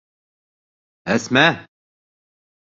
Әсмә!